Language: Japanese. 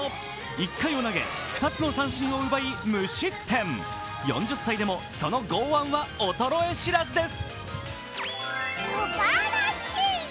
１回を投げ、２つの三振を奪い無失点４０歳でも、その剛腕は衰え知らずです。